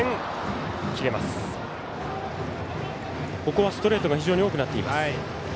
ここはストレートが非常に多くなっています。